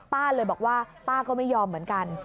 ป้าเลยบอกว่าป้าก็ไม่ยอมเหมือนกัน